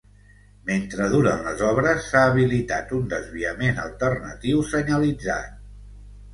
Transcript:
Mentre duren les obres, s’ha habilitat un desviament alternatiu senyalitzat.